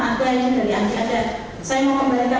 itu saya tertekan yang mulia